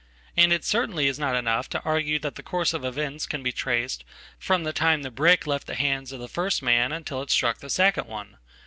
And it certainly is notenough to argue that the course of events can be traced from thetime the brick left the hands of the first man until it struck thesecond one.